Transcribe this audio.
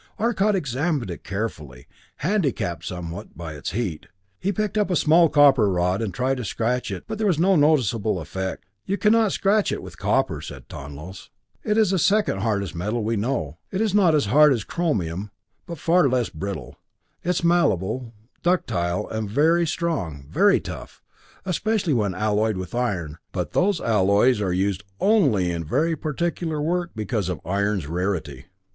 Arcot examined it carefully, handicapped somewhat by its heat. He picked up a small copper rod and tried to scratch it but there was no noticeable effect. "You cannot scratch it with copper," said Tonlos. "It is the second hardest metal we know it is not as hard as chromium, but far less brittle. It is malleable, ductile, very very strong, very tough, especially when alloyed with iron, but those alloys are used only in very particular work because of iron's rarity."